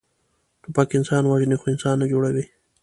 توپک انسان وژني، خو انسان نه جوړوي.